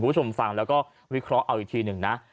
คุณผู้ชมฟังแล้วก็วิเคราะห์เอาอีกทีหนึ่งนะ